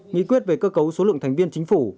nghị quyết về cơ cấu số lượng thành viên chính phủ